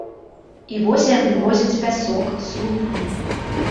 І вось яны возяць пясок, слупы.